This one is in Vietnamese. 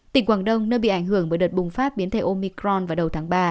tỉnh quảng đông nơi bị ảnh hưởng bởi đợt bùng phát biến thể omicron vào đầu tháng ba